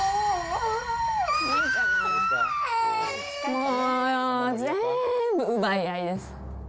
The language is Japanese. もう、全部奪い合いです。